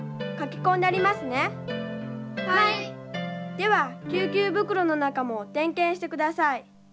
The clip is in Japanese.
では救急袋の中も点検してください。